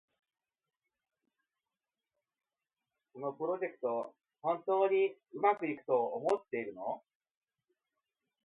そのプロジェクト、本当にうまくいくと思ってるの？